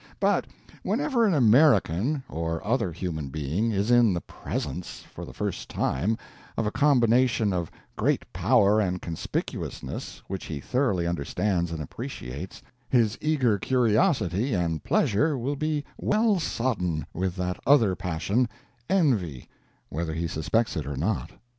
But, whenever an American (or other human being) is in the presence, for the first time, of a combination of great Power and Conspicuousness which he thoroughly understands and appreciates, his eager curiosity and pleasure will be well sodden with that other passion envy whether he suspects it or not.